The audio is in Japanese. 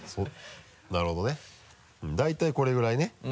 なるほどね大体これぐらいね。